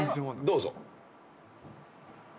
どうぞ。